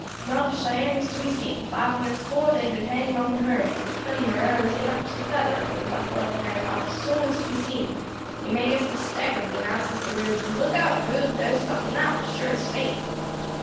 Not a Cheyenne was to be seen: five minutes afore they had been hanging on the herd, sending their arrows in up to the feather among the buffalo; now not a soul was to be seen. You may guess this staggered me and I says to Rube, 'Look out, Rube, there's something up, as sure as fate.'